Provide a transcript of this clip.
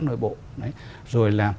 nội bộ rồi là